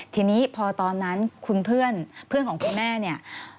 ทีนี้พอตอนนั้นคุณเพื่อนเพื่อนของคุณแม่เนี่ย